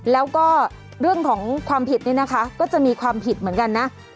แล้วก็เรื่องของความผิดนี่นะคะก็จะมีความผิดเหมือนกันนะ